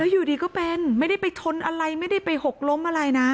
อยู่ดีก็เป็นไม่ได้ไปชนอะไรไม่ได้ไปหกล้มอะไรนะ